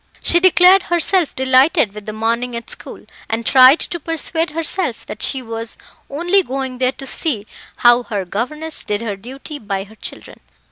She declared herself delighted with the morning at school, and tried to persuade herself that she was only going there to see how her governess did her duty by her children.